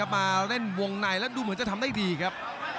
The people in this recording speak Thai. มาเล่นวงในแล้วดูเหมือนจะทำได้ดีครับ